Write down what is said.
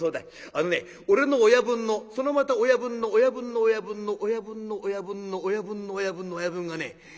あのね俺の親分のそのまた親分の親分の親分の親分の親分の親分の親分の親分がね